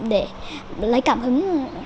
để lấy cảm hứng